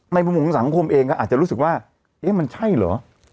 มุมของสังคมเองก็อาจจะรู้สึกว่าเอ๊ะมันใช่เหรอ